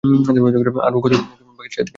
আরও কত কি পাখি চারিদিকের বনে কিচ-কিচ করিতেছে।